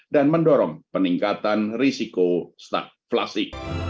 dan mendorong peningkatan risiko staflasi